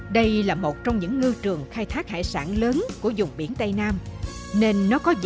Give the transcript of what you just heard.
đây là một trong những ngư trường khai thác hải sản lớn của dùng biển tây nam nên nó có vị trí quan trọng về kinh tế và quốc phòng an ninh